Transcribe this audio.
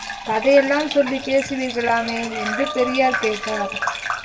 கதையெல்லாம் சொல்லிப் பேசுவீங்களாமே? என்று பெரியார் கேட்டார்.